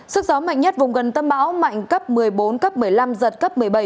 sức gió mạnh nhất vùng gần tâm bão mạnh cấp một mươi bốn cấp một mươi năm giật cấp một mươi bảy